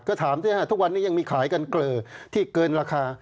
ก็ถามสิฮะทุกวันนี้ยังมีขายกันเกลอที่เกินราคา